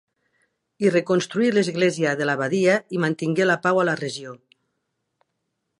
Hi reconstruí l'església de l'abadia i mantingué la pau a la regió.